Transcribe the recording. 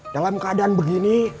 dalam keadaan begini